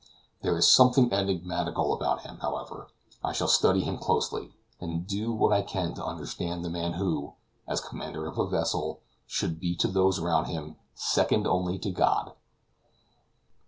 There is something enigmatical about him; however, I shall study him closely, and do what I can to understand the man who, as commander of a vessel, should be to those around him "second only to God."